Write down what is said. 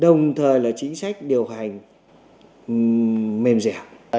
đồng thời là chính sách điều hành mềm dẻo